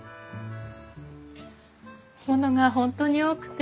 物が本当に多くて。